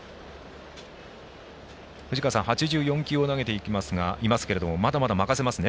藤川さん８４球を投げていますがまだまだ任せますね